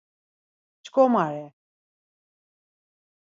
Pşǩomare.